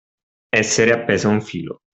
Essere appeso a un filo.